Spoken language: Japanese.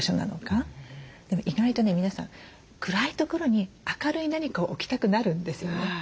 でも意外とね皆さん暗い所に明るい何かを置きたくなるんですよね。